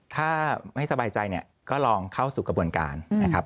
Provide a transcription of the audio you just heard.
ถ้าไม่สบายใจเนี่ยก็ลองเข้าสู่กระบวนการนะครับ